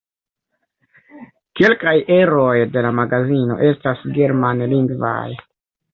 Kelkaj eroj de la magazino estas germanlingvaj.